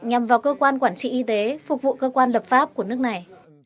nhằm vào cơ quan quản trị y tế phục vụ cơ quan lập pháp của nước này